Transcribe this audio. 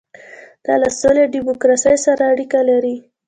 دا له سولې او ډیموکراسۍ سره اړیکه لري.